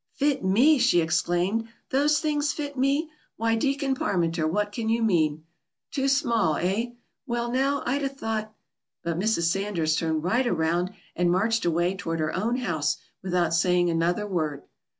"Fit me!" she exclaimed "those things fit me! Why, Deacon Parmenter, what can you mean?" "Too small, eh? Well, now, I'd ha' thought " But Mrs. Sanders turned right around and marched away toward her own house without saying another word.